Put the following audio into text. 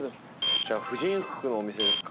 こちら婦人服のお店ですか？